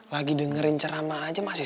lagi dengerin ceramah aja masih